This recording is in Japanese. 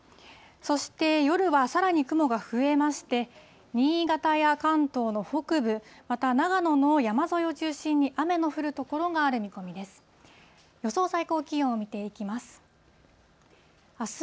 そして、夜はさらに雲が増えまして、新潟や関東の北部、また長野の山沿いを中心に、雨の降る所がある見込みです。